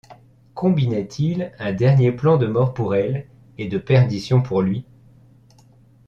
Combinait-il un dernier plan de mort pour elle et de perdition pour lui ?